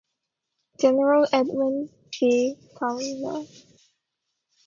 General Edwin V. Sumner.